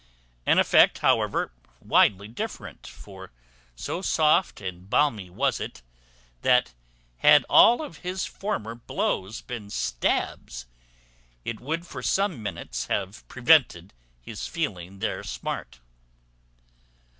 An effect, however, widely different; for so soft and balmy was it, that, had all his former blows been stabs, it would for some minutes have prevented his feeling their smart.